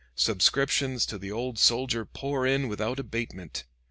Subscriptions to the 'Old Soldier' pour in without abatement.